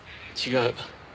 違う。